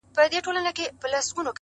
چا ويل ډېره سوخي كوي.